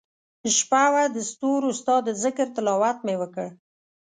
شپه وه دستورو ستا دذکرتلاوت مي وکړ